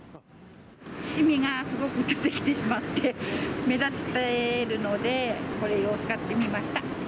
シミがすごく出てきてしまって、目立っているので、これを使ってみました。